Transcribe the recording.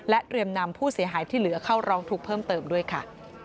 เตรียมนำผู้เสียหายที่เหลือเข้าร้องทุกข์เพิ่มเติมด้วยค่ะ